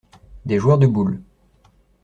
Des joueurs de boules.